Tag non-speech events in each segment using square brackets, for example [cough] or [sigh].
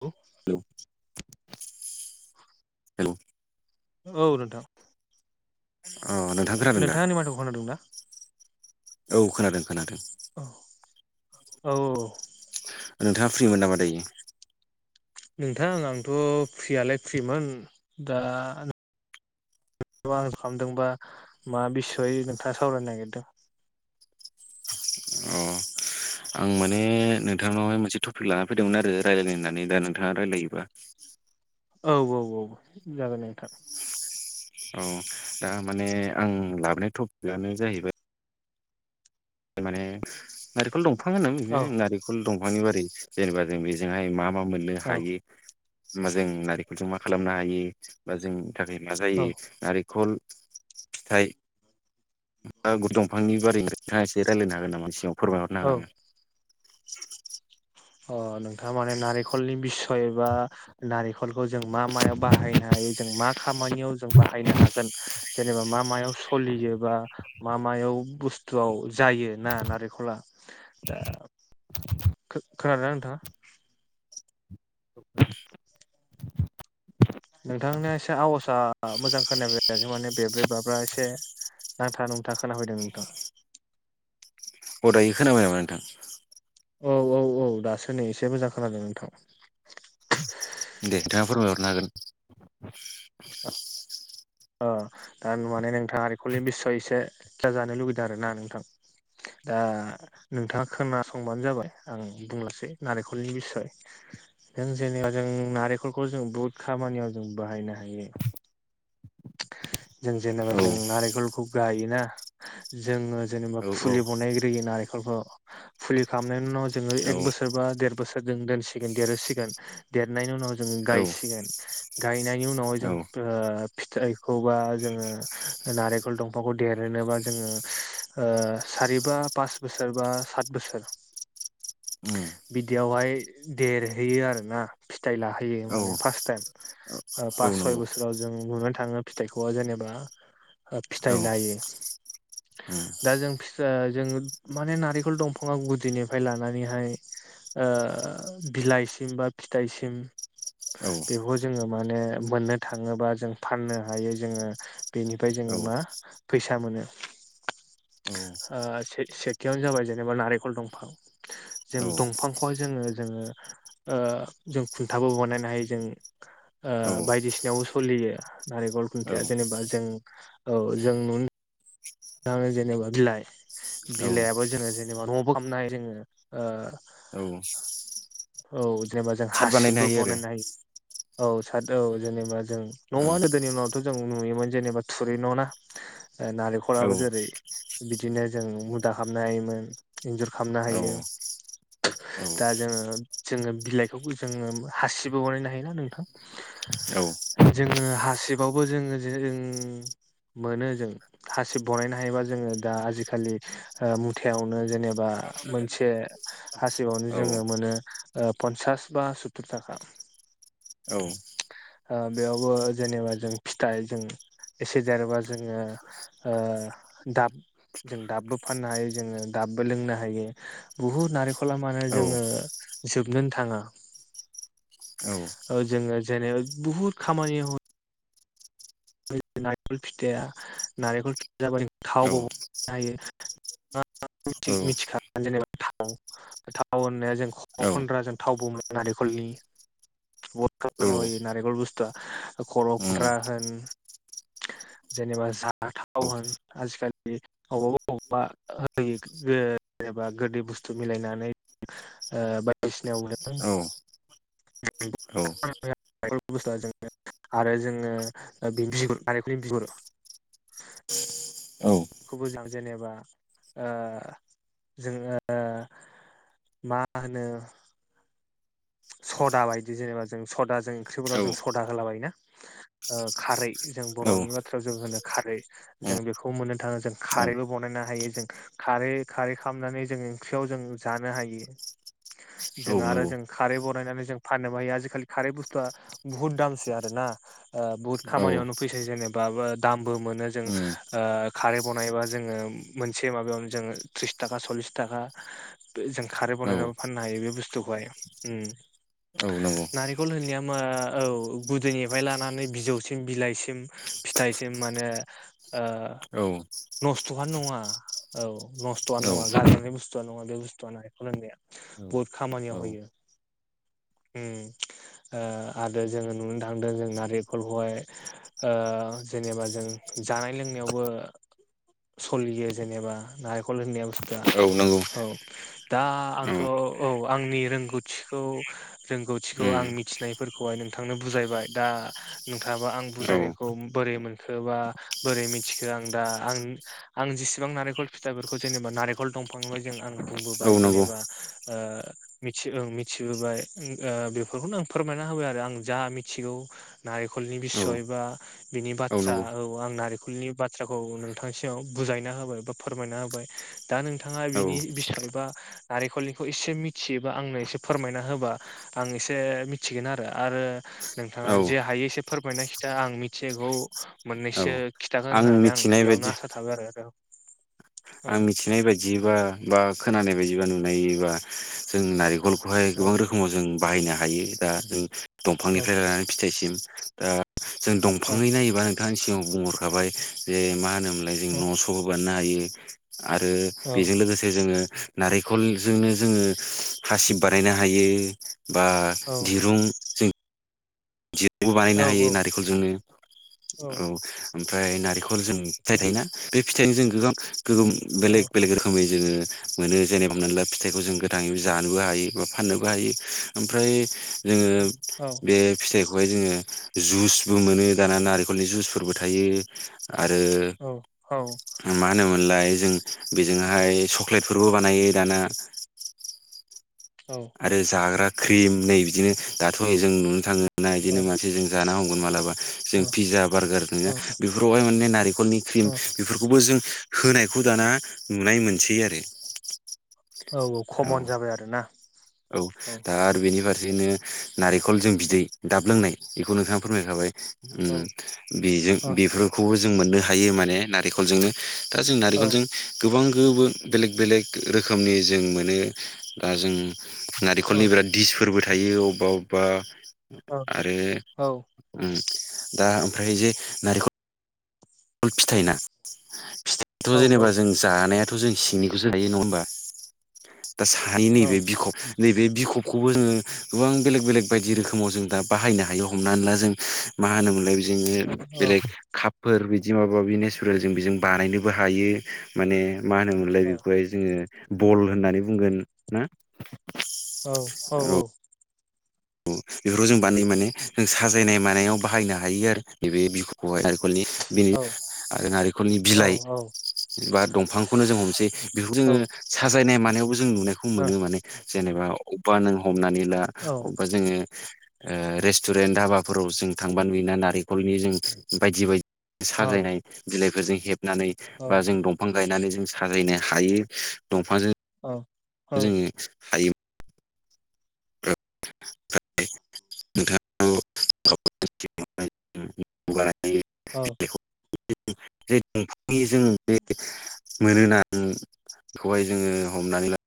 औ। Hello hello औ नोंथां अ नोंथां खोनादों दा नोंथाङा आंनि माथोखौ खोना दोंना? औ खोनादों खोनादों औ औ। नोंथाङा फ्रिमोन नामा दायो नोंथां आंथ' फ्रियालाय फ्रिमोन दा आं खालामदोंबा मा बिसय नोंथाङा सावरायनो नागिरदों अ आं माने नोंथांनावहाय मोनसे टपिक लाना फैदोंमोन आरो रायजलायनानै दा नोंथाङा रायजलायोबा औ औ औ जागोन नोंथां औ दा माने आं लाबोनाय टपिकआनो जाहैबाय। माने नारेंखल दंफां होनो बिनो औ नारेंखल दंफां फांनि बारै जेनेबा जों बेजोंहाय मा मा मोननो औ हायो। बा जों नारेंखलजों मा खालामनो हायो बा जोंनि थाखाय मा जायो औ नारेंखल थायो। दंफांनि बारैनो नोथाङा एसे रायज्लायनो हागोन नामा सिगाङाव फोरमायहरनो औ हागोन आङो अ नोंथां माने नारेंखलनि बिसय बा नारेंखलखौ जों मा मायाव बाहायनो हायो जों मा खामानिआव जों बाहायनो हागोन जेनेबा मा मायाव सलियोबा मा मायाव बुस्थुआव जायो ना नारेंखला दा खोनादोंना नोंथांङा? [unintelligible] नोंथांनि एसे आवजा मोजां खोनाय बायाखै माने बेब्रे बाब्रा एसे। नांथा नोंथा खोनाफैदों नोंथां। अ दायो खोनाबाय नामा नोंथां? औ औ औ दासो नै एसे मोजां खोनादों नोंथां। दे नोंथाङा [unintelligible] ओ दा नुवान नोंथाङा नारिकलनि बिसय एसे खिथा जानो लुुबैदों आरो ना नोंथां। दा नोंथाङा खोनासंबानो जाबाय आं बुंलासै नारेंखलनि बिखय। जों जेनेबा जों नारेंखलखौ जों बुहुत खामानियाव जों बाहायनो हायो। जों औ जेनेबा जों नारेंखलखौ गायोना जोङो। जेनेबा फुलि बनायग्रोयो नारेंखलखौ फुलि खालामनायनि उनाव जोङो एक बोसोर बा देर बोसोर। जों दोनसिगोन देरहसिगोन देरनायनि उनाव जों गायसिगोन गाय गायनायनि उनावहाय औ जों फिथाइखौबा जोङो नारेंखल दंफांखौ देरहनोबा जोङो सारिबा पास बोसोर बा सात बोसोर उम बिदियावहाय देरहैयो आरोना फि थाइ लाहैयो औ माने फास टाइम पास सय नंगौ औ उम बोसोराव जों नुनो थाङो फिथाइखौ जेनेबा फिथाइ लायो। दा जों फिसा जों माने नारेंखल दंफाङा गुदिनिफ्राय लानानैहाय। ओ बिलाइसिम बा फिथाइसिम औ बेखौ जोङो माने मोननो थाङोबा जों। फाननो हायो जोङो बेनिफ्राय जोङो औ मा फैसा मोनो। ओ सेथियावनो जाबाय जेनेबा नारेंखल दंफां जों दंफांखौह जों जों जोंङो ओ जों खुनथाबो बानायनो हायो जों ओ बायदिसि फुलि नारेंखल खुन्थाया जेनेबा जों औ जों नुनो थांङो जेनेबा बिलाय औ बिलाइयाबो जोङो जेनेबा न'आवबो खामनो हायो जोङो औ औ जेनेबा जों सार्ट बानायनो हासिबबो बनायनो हायो। औ सत औ जेनेबा जों न'आ गोदोनि उनावथ' जों नुयोमोन जेनेबा थुरि न' ना। नालेंखला बो आरो जेरै बिदिनो जों मुदा खालामनो हायोमोन इन्जुर खालामनो औ औ हायो। औ दा जोङो जोङो बिलाइखौ जोङो हासिबो बानायनो हायोना नोंथां? औ औ जोङो हासिबावबो जोङो जे मोनो जों हासिब बनायनो हायोबा जोङो दा आजिखालि मुथायावनो जेनेबा मोनसे हासिबावनो औ जोङो मोनो पन्सास बा सुततुर थाखा। औ उम ओ बेयावबो जेनेबा जों फिथाइ जों एसे देरोबा जोङो। ओ दाब जों दाबबो फाननो हायो जोङो दाबो लोंनो हायो बुहुद नारेंखला मानो औ जोङो जोबनोनो थाङा। औ जोङो जेनबा बुहुत खामानि नेंख फिथायया नारेंखलि जाब थावबोनो हायो [unintelligible] [unintelligible] थाव होननाया जों फन्द्राजों थावबो मोनो नारेंखलनि। ब नारेंख बस्थुआ खरपथ्रा होन [unintelligible] जेनेबा जाथाव होन आजिखालि अबब [unintelligible] [unintelligible] ओ बायदिसिनायावबो [unintelligible] बेनो बि बखौनो बिहरो [unintelligible] खौबो जों जेनेबा ओ जोङो मा होनो‌ सदा बायदि जेनेबा जों सदाजों ओंख्रिफोराव जों सदा होलाबायायो ना ओ खारै जों औ बर'नि उम बाथ्रायाव जों होनो खारै जों बेखौ मोननो थाङो जों खारैबो बानायनो हायो जों खा खारै खारै खालामनानै जों ओंख्रियाव जों जानो हायो औ औ जों आरो जों नंगौ खारै बानायनानै जों फाननोबो हायो आजिखालि खारै बुस्थुआ बुहुत दामसो आरो ना बहुत खामा यावनो औ [unintelligible] दामबो मोनो जों उम ओ खारै बनायबा जों मोनसे मा जोंङो थ्रिस थाखा सलिसथाखा जों खारै बानायनानैबो औ फाननो हायो बे बुस्थुखौहाय उम औ नंगौ नारेंखल होननाया म औ गुदिनिफ्राय लानानै बिजौसिम बिलाइसिम फि सिम मानो ओ औ नस्थ'आनो नङा औ नस्थ'आनो नङा गाजानाय बुस्थुआनो नङा बे बुस्थुआनो फोरोंनाया बहुत औ खामानियाव होयो औ उम ओ आडो जोङो नुनो थांदों जों नारेंखलखौहाय ओ जेनेबा जों जानाय लोंनायावबो सलियो जेनेबा नारेंखल होननाय बुस्थुआ औ नंगौ औ दा आंथ' औ आंनि रोंगौ थखौ रोंगौथिखौ उम आं मिथिनायफोरखौहाय नोंथांनो बुजायबाय दा नोंथाङाबा आं आं औ बजायनायखौ बोरै मोनखो बा बोरै मिथिखो आं दा आं आं जेसेबां नेंरेंख फिथाइफोरखौ जेनेबा नारेंखल दंफां जों आं औ बुंबोबाय नंगौ जेनेबा ओ मिथि ओं मिथिबोबाय ओग आ बेफोरखौनो आं फोरमायना होबाय आरो आं जा मिथिगौ नारेंखलनि बि औ बिसय बा बिनि बाथ्रा औ आं नारेंखलनि बाथ्राखौ नोंथांसियाव बुजायना होबाय बा फोरमायना होबाय दा नोंथाङा औ बिनि बिसायबा नारेंखलनिखौ एसे मिथि बा आंनो एसे फोरमायना होबा आं एसे मिथिगोन आरो औ नोंथाङा जे हायो एसे फोरमायनाय खिथा आं मिथिगौ औ मोननैसो खिन्थागोन होननानै आं मिथिनाय बायदि बेयावनो आसा थाबाय आरो रो आं मिथिनाय बायदिबा बा खोनानाय बायदिबा नुनायबा जों नारेंखल खौहाय औ गोबां रोखोमाव जों बाहायनो हायो दा जों औ दंफांनिफ्राय लानानै फिथाइसिम दा जों औ दंफाङै नायोबा नोंथांनि सिगाङाव बुंहरखाबाय जे मा होनोमोनलाय जों न' स' होबा मोननो हायो आरो औ बेजों लोगोसे जोङो नारेंखलजोंनो जोङो हासिब बानायनो हायो बा औ दिरुं जों [unintelligible] बानायनो हायो नारखलजोंनो औ ओमफ्राय नारिख जों फिथाइ थायोना बे फिथाइजों जों गोबां गोगोम बेलेग बेलेग रोखोमै जोङो मोनो जेने हमनानै ला फिथाइखौ जों गोथाङै जानोबो हायो बा फाननोबो हायो ओमफ्राय जोङो औ बे एखौहाय जोङो जुसबो मोनो दाना नारखलनि जुसफोरबो थायो आरो औ औ मा होनोमोनलाय जों बेजोंहाय चक्लेट फरबो बानायो दाना आरो जाग्रा क्रिम नै बिदिनो दाथ' जों नुनो थाङो ना बिदिनो मानसि जों जाना हमगोन मालाबायक्षक्श औ जों पिज्जा बार्गार [unintelligible] बेफोरावहाय माने नारेंखलनि क्रिम औ बेफोरखौबो जों होनायखौ दाना नुनाय मोनसै आरो औ औ खमन जाबाय आरोना औ द आरो बे बेनि फारसेनो नारेंखल जों बिदै दाब लोंनाय बेखौ नोंथाङा फोरमायखाबाय औ उम बेजों औ बेफोरखौबो जों मोननो हायो माने नारिखलजोंनो। दा जों औ नारिखलजों गोबां गो बो बेलेक बेलेग रोखोमनि जों मोनो दा जों औ नारिखलनि बिराद डिसफोरबो थायो अबबा अबबा औ आरो ओ ओमफ्राय जे नारिख ल फिथाइना फिथाइथ' जेनेबा जों जानाया थ' जों सिंनिखौसो जायो नङा होमबा दा सायो औ नैबे बिख' नैबे बिखबखौबो जोङो गोबां बेलेग बेलेग बायदि रोखोमाव जों दा बाहायनो हायो हमना ला जों मा होनोमोनलाय औ बिनो औ बेलेग कापफोर बि दि माबा माबि नेसारेल जों बेजों बानायनोबो हायो माने मा होनोमोनलाय औ बेखौहाय जोङो बल होननानै बुंगोन ना? औ औ औ बेफोरखौ जों बानाय माने जों साजायनाय मानायाव बाहायनो हायो आरो नैबे बिखबखौहाय। औ [unintelligible] आरो नारिखलनि औ बिलाइ बा दंफांखौनो जों हमनोसै बेखौ औ जोङो साजायनाय मानायावबो ज जों नुनायखौ मोनो माने जेनेबा अबेबा नों हमनानै ला अबेबा जोङो ओ रेस्टुरेन्ट धाबाफोराव जों थांबा नुयोना नारेंखलनि जों बायदि बायदि साजायनाय बिलाइफोरजों हेबनानै बा जों दंफां गायनानै जों साजायनो हायो दंफांजों जोङो हायो [unintelligible] औ जे दंफांनि जों बे मोनोना बेखौहाय जोङो हमनानै ला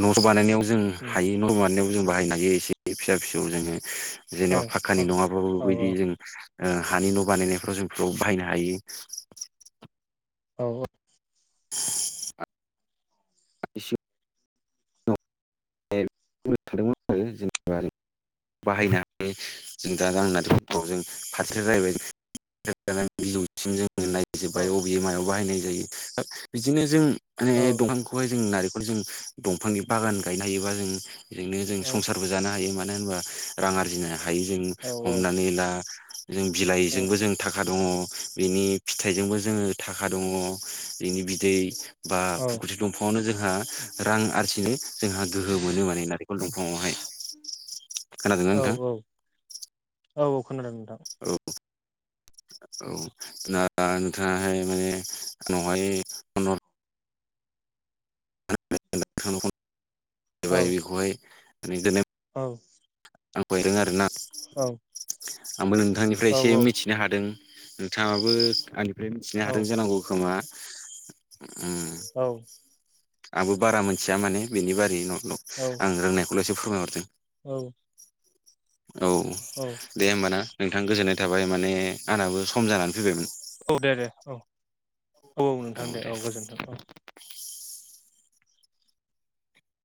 न' बानायनायाव जों हायो न' बानायनायाव जों बाहायनो हायो एसे फिसा फिसौ जोङो जेनेबा फाखकानि नङाबाबो बैदि जों ओ हानि न' बानायनायफ्राव जों बेफोरखौ बाहायनो हायो। औ औ [unintelligible] बुंनो सानदोंमोन आरो जेनेबा बाहायनानै जों दा [unintelligible] जों फारसेजो जाहैबाय [unintelligible] नायजोबबाय अबे मायाव बाहायनाय जायो दा बिदिनो जों माने दंफांखौहाय जों नारिंख बे जों दंफांनि बागान गायनो हायोबा जों बेजोंनो जों औ संसारबो जानो हायो मान मानो होनबा रां आरजिनो हायो जों हनानै ला जों बिलाइजोंबो जों थाखा दङ बिनि फिथाइजोंबो जोङो थाखा दङ बिनि बिदै बा फुकुथि दंफाङावनो जोंहा रां आरजिनो जोंहा गोहो मोनो माने नारिखल दंफाङावहाय। खोनादोंना नोंथां? औ औ खोनादों नोंथां। औ औ दा नोंथाङाहाय माने आंनावहाय फन हर [unintelligible] औ बेखौहाय औ आं [unintelligible] आरो ना औ आंबो नोंथांनिफ्राय औ एसे मिथिनो हादों नोंथाङाबो आंनिफ्राय मिथिनो औ हादों जानांगौ खोमा उम आंबो बारा मोनथिया माने बेनि बारै नंगौ औ आं रोंनायखौ [unintelligible] फोरमायहरदों औ औ दे होमबाना नोंथां गोजोननाय थाबाय माने आंनाबो सम जानानै फैबायमोन। औ दे दे औ औ औ नोंथां दे औ गोजोन्थों औ